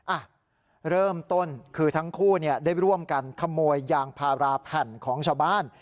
อ่ะเริ่มต้นคือทั้งคู่เนี่ยได้ร่วมกันขโมยยางพาราแผ่นของชาวบ้าน